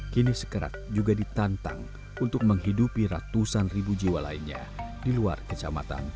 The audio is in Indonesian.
kini sekerat juga ditantang untuk menghidupi ratusan ribu jiwa lainnya di luar kecamatan